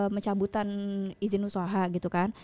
mencabutan izin usaha gitu kan